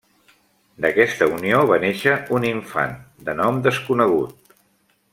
D'aquesta unió va néixer un infant, de nom desconegut.